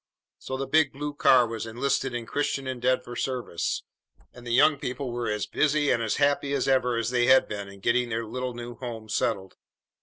So the big blue car was enlisted in Christian Endeavor service, and the young people were as busy and as happy as ever they had been in getting their little new home settled.